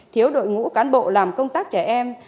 thiếu đội ngũ cán bộ làm công tác trẻ em